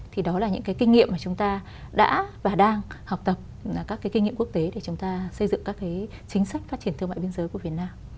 thì đó là những cái kinh nghiệm mà chúng ta đã và đang học tập các cái kinh nghiệm quốc tế để chúng ta xây dựng các cái chính sách phát triển thương mại biên giới của việt nam